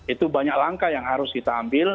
itu banyak langkah yang harus kita ambil